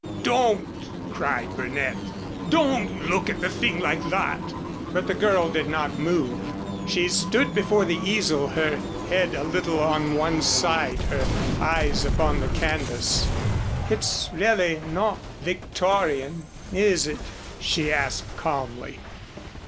"Don't," cried Burnett. "Don't look at the thing like that." But the girl did not move. She stood before the easel, her head a little on one side, her eyes upon the canvas. "It's really not Victorian, is it?" she asked calmly.